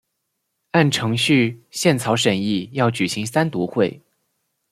按程序宪草审议要举行三读会。